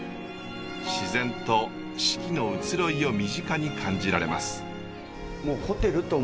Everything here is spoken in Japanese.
自然と四季の移ろいを身近に感じられます。